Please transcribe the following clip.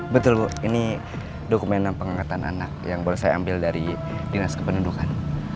betul bu ini dokumen pengangkatan anak yang boleh saya ambil dari dinas kependudukan